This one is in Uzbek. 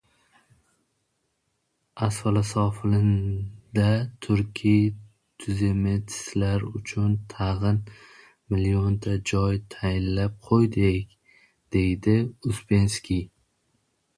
— Asfalosofilinda turkiy tuzemetslar uchun tag‘in milyonta joy tayinlab qo‘ydik, — deydi Uspenskiy.